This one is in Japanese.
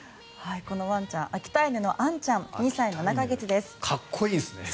このワンちゃん秋田犬の杏ちゃん２歳７か月です。